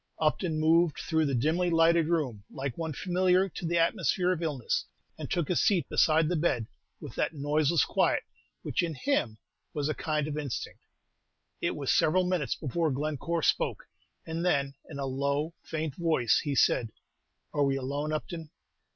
Upton moved through the dimly lighted room like one familiar to the atmosphere of illness, and took his seat beside the bed with that noiseless quiet which in him was a kind of instinct. It was several minutes before Glencore spoke, and then, in a low, faint voice, he said, "Are we alone, Upton?"